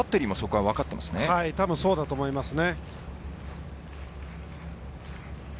はい、そうだと思いますね。